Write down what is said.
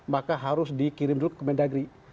maka harus dikirim dulu ke mendagri